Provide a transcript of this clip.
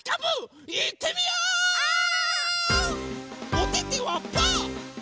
おててはパー。